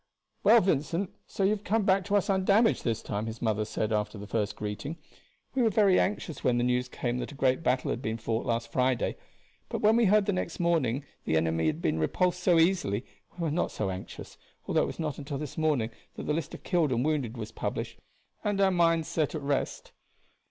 "Well, Vincent, so you have come back to us undamaged this time," his mother said after the first greeting. "We were very anxious when the news came that a great battle had been fought last Friday; but when we heard the next morning the enemy had been repulsed so easily we were not so anxious, although it was not until this morning that the list of killed and wounded was published, and our minds set at rest."